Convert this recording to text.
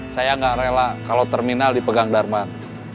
saya nggak rela kalau terminal dipegang darman